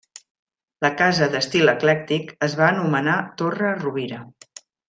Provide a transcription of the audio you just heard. La casa, d'estil eclèctic, es va anomenar Torre Rovira.